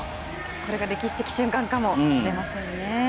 これが歴史的瞬間かもしれませんね。